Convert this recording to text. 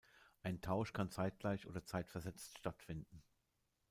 Ein Tausch kann zeitgleich oder zeitversetzt stattfinden.